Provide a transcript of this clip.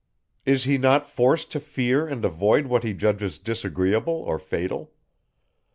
Is he not forced to fear and avoid what he judges disagreeable or fatal?